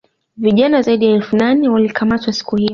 vijana zaidi ya elfu nane walikamatwa siku hiyo